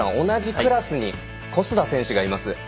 同じクラスに小須田選手がいます。